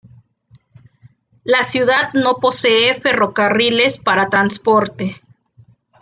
La ciudad no posee ferrocarriles para transporte.